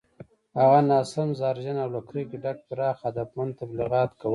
هغه ناسم، زهرجن او له کرکې ډک پراخ هدفمند تبلیغات کول